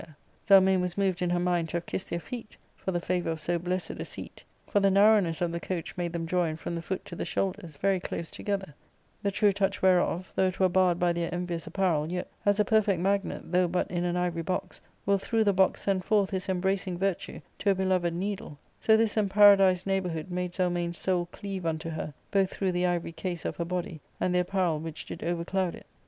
Zelmane was moved in her mind to have kissed their feet for the favour of so blessed a seat, for the narrowness of the coach made them join, from the foot to the shoulders, very close together ; the truer touch whereof, though it were barred by their envious apparel, yet, as a perfect magnet, though but in an ivory box, will through the box send forth his embracing virtue to a beloved needle, so this imparadised neighbourhood made Zelmane's soul cleave unto her, both through the ivory case of her body, and the apparel which did overcloud it.